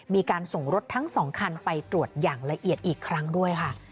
มีการส่งรถทั้ง๒คันไปตรวจอย่างละเอียดอีกครั้งด้วยค่ะ